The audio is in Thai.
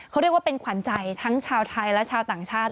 เขาเรียกว่าเป็นขวัญใจทั้งชาวไทยและชาวต่างชาติ